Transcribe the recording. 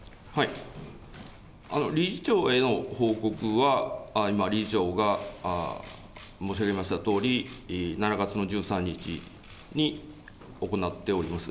理事長への報告は今、理事長が申し上げましたとおり、７月の１３日に行っております。